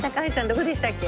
どこでしたっけ？